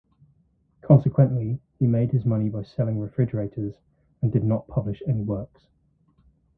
Consequently, he made his money by selling refrigerators, and did not publish any works.